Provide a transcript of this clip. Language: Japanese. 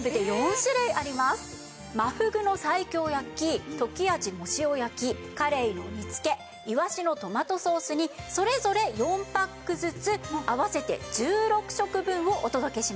真ふぐの西京焼き旬あじ藻塩焼きかれいの煮付けいわしのトマトソース煮それぞれ４パックずつ合わせて１６食分をお届けします。